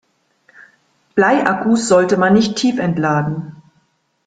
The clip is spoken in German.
Bleiakkus sollte man nicht tiefentladen.